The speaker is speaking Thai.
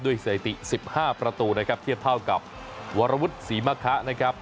สถิติ๑๕ประตูนะครับเทียบเท่ากับวรวุฒิศรีมะคะนะครับ